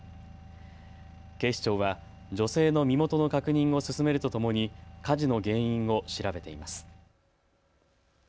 警視庁は女性の身元の確認を進めるとともに火事の原因を調べています。